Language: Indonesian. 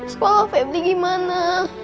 sekolah febri gimana